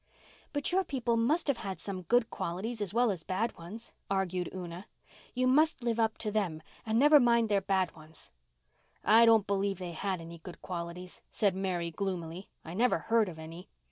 "But your people must have had some good qualities as well as bad ones," argued Una. "You must live up to them and never mind their bad ones." "I don't believe they had any good qualities," said Mary gloomily. "I never heard of any.